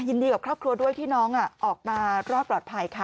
ยินดีกับครอบครัวด้วยที่น้องออกมารอดปลอดภัยค่ะ